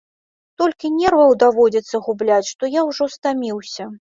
Столькі нерваў даводзіцца губляць, што я ўжо стаміўся.